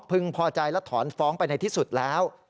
พอใจและถอนฟ้องไปในที่สุดแล้ว